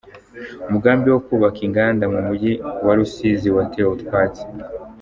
Umugambi wo kubaka inganda mu mujyi wa rusizi watewe utwatsi